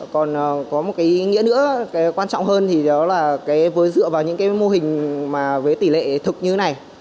còn có một cái nghĩa nữa quan trọng hơn thì đó là với dựa vào những mô hình với tỷ lệ thực như này